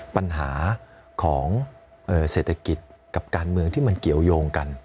ปัญหาของเศรษฐกิจกับการเมืองที่มันเกี่ยวยงกัน